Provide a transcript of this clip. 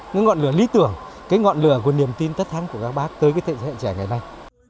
cái ngọn lửa lý tưởng cái ngọn lửa của niềm tin tất thăng của các bác tới thế hệ trẻ ngày nay